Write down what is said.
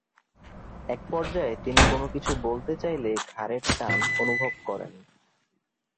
এক পর্যায়ে তিনি কোন কিছু বলতে চাইলে ঘাড়ের টান অনুভব করেন।